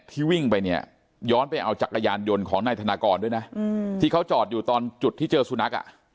วิ่งไปเนี่ยย้อนไปเอาจักรยานยนต์ของนายธนากรด้วยนะที่เขาจอดอยู่ตอนจุดที่เจอสุนัขอ่ะ